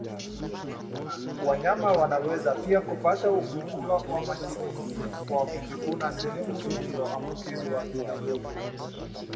Wanyama wanaweza pia kupata ugonjwa wa mashilingi kwa kujikuna sehemu iliyoambukizwa vijidudu